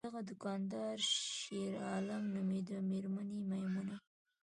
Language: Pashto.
دغه دوکاندار شیرعالم نومیده، میرمن یې میمونه!